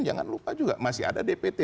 jangan lupa juga masih ada dpt